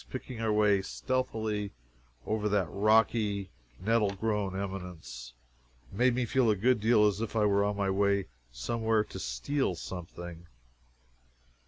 Picking our way so stealthily over that rocky, nettle grown eminence, made me feel a good deal as if I were on my way somewhere to steal something.